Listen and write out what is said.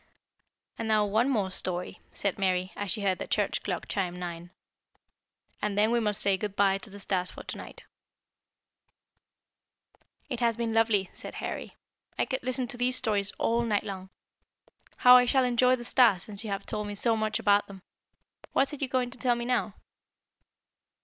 "And now one more story," said Mary, as she heard the church clock chime nine, "and then we must say 'good by' to the stars for to night." [Illustration: THE SWAN.] "It has been lovely," said Harry. "I could listen to these stories all night long. How I shall enjoy the stars since you have told me so much about them! What are you going to tell me now?"